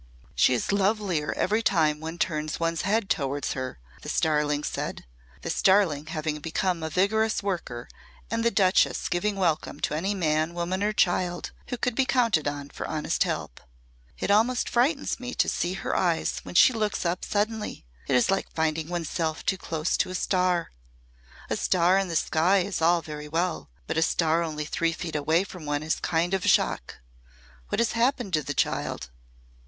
"She is lovelier every time one turns one's head towards her," the Starling said the Starling having become a vigorous worker and the Duchess giving welcome to any man, woman or child who could be counted on for honest help. "It almost frightens me to see her eyes when she looks up suddenly. It is like finding one's self too close to a star. A star in the sky is all very well but a star only three feet away from one is a kind of shock. What has happened to the child?"